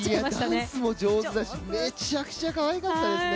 ダンスも上手だしめちゃくちゃかわいかったですね。